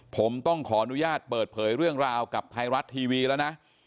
ผมต้องขออนุญาตเปิดเผยเรื่องราวกับไทยรัฐทีวีแล้วนะ